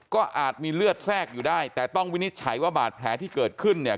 ก็อาจมีเลือดแทรกอยู่ได้แต่ต้องวินิจฉัยว่าบาดแผลที่เกิดขึ้นเนี่ย